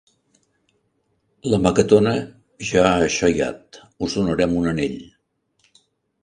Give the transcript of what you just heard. La Maquetona ja ha xaiat: us donarem un anyell.